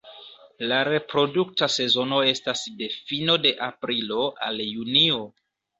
La reprodukta sezono estas de fino de aprilo al junio.